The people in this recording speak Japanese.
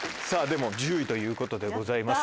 １０位ということでございます。